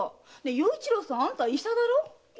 与一呂さんあんた医者だろ？